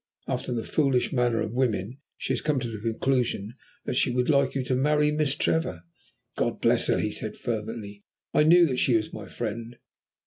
After the foolish manner of women, she has come to the conclusion that she would like you to marry Miss Trevor." "God bless her!" he said fervently. "I knew that she was my friend."